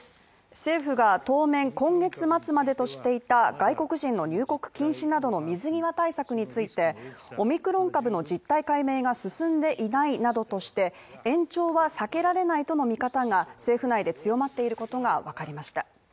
政府が当面今月末までとしていた外国人の入国禁止などの水際対策についてオミクロン株の実態解明が進んでいないなどとして延長は避けられないとの見方が政府内で強まっていることがわかりました。